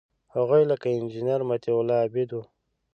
هغوی لکه انجینیر مطیع الله عابد وو.